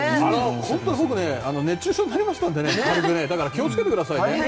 本当に僕熱中症になりましたのでだから気を付けてくださいね。